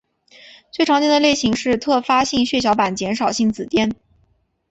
最常见的类型是特发性血小板减少性紫癜。